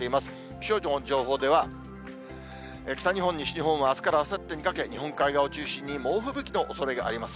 気象庁の情報では、北日本、西日本はあすからあさってにかけ、日本海側を中心に猛吹雪のおそれがあります。